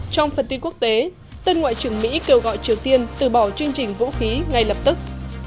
trong phần tin quốc tế tân ngoại trưởng mỹ kêu gọi triều tiên từ bỏ chương trình vũ khí ngay lập tức